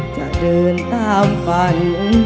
จะเดินตามฝัน